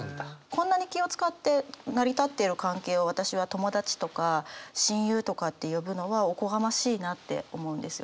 こんなに気を遣って成り立っている関係を私は友達とか親友とかって呼ぶのはおこがましいなって思うんですよね。